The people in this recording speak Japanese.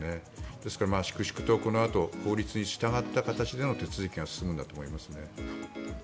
ですから、粛々とこのあと法律に従った形での手続きが進むんだと思います。